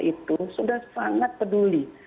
itu sudah sangat peduli